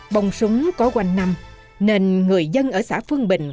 bông súng có quanh năm nên người dân ở xã phương bình